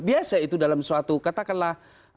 biasa itu dalam suatu katakanlah